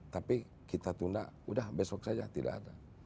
tapi kita tunda udah besok saja tidak ada